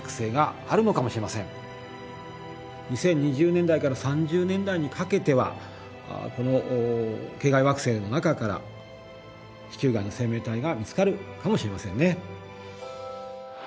２０２０年代から３０年代にかけてはこの系外惑星の中から地球外の生命体が見つかるかもしれませんね。